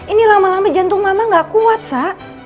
ini lama lama jantung mama gak kuat sa